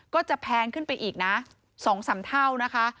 แพงขึ้นไปอีกนะ๒๓เท่านะคะ